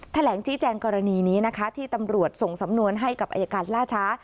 แถลงชี้แจงกรณีนี้นะคะที่ตำรวจส่งสำนวนให้กับอายการล่าช้า